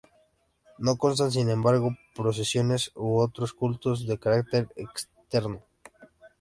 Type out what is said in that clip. No constan sin embargo procesiones u otros cultos de carácter externo.